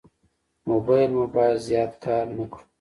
موبایل مو باید زیات کار نه کړو.